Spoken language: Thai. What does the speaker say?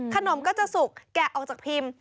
ขนมก็จะสุกแกะออกจากพิมพ์